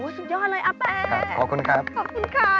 สุดยอดเลยอาแป้ขอบคุณครับขอบคุณค่ะ